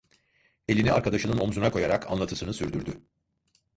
Elini arkadaşının omzuna koyarak anlatısını sürdürdü: